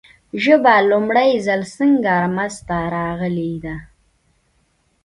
ژبه لومړی ځل څنګه منځ ته راغلې ده ؟